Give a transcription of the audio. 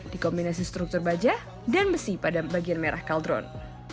dikombinasi struktur baja dan besi pada bagian merah kaldron